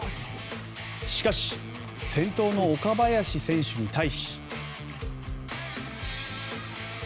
しかし先頭の岡林選手に対し。